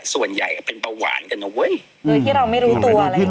ส่วนใหญ่ก็เป็นเบาหวานกันนะเว้ยโดยที่เราไม่รู้ตัวอะไรอย่างเ